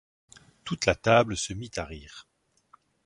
Toute la table se mit à rire.